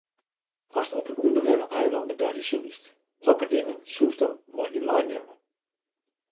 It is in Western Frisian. Ast op in ûnbewenne eilân bedarje soest, hokker dingen soest dan mei dy meinimme?